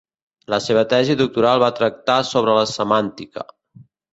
La seva tesi doctoral va tractar sobre la Semàntica.